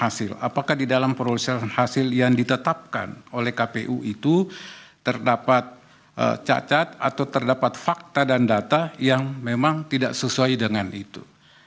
apakah di dalam proses hasil yang ditetapkan oleh kpu itu terdapat cacat atau terdapat fakta dan data yang memang tidak sesuai dengan itu